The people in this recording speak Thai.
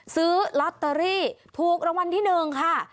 ซื้อลอตเตอรี่ถูกรางวัลที่๑ค่ะ